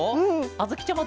あづきちゃま